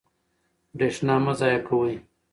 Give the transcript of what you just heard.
برښنا مه ضایع کوئ.